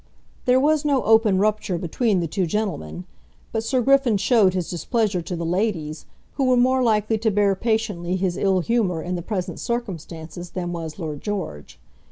There was no open rupture between the two gentlemen, but Sir Griffin showed his displeasure to the ladies, who were more likely to bear patiently his ill humour in the present circumstances than was Lord George.